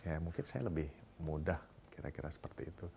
ya mungkin saya lebih mudah kira kira seperti itu